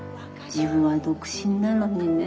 自分は独身なのにね。